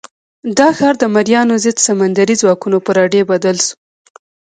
دا ښار د مریانو ضد سمندري ځواکونو پر اډې بدل شو.